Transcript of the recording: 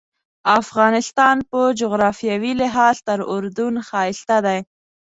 افغانستان په جغرافیوي لحاظ تر اردن ښایسته دی.